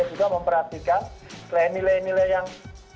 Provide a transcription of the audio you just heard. juga memperhatikan nilai nilai yang